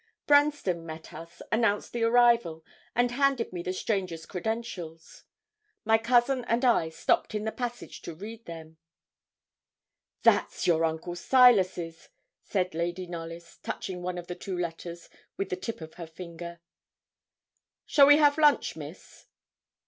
Branston met us, announced the arrival, and handed me the stranger's credentials. My cousin and I stopped in the passage to read them. 'That's your uncle Silas's,' said Lady Knollys, touching one of the two letters with the tip of her finger. 'Shall we have lunch, Miss?'